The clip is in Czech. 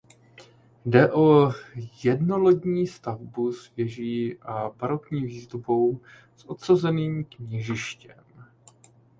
Jde o jednolodní stavbu s věží a barokní výzdobou s odsazeným kněžištěm.